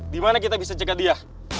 dimana kita bisa jaga dia